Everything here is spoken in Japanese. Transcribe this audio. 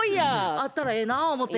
あったらええな思て。